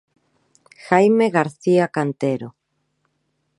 Jaime García Cantero.